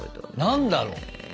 何だろう。